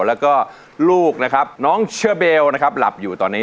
แล้วก็ลูกนะครับน้องเชอเบลนะครับหลับอยู่ตอนนี้